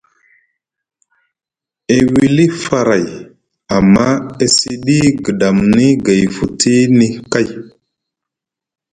E wili faray, amma e siɗi gɗamni gay futini kay.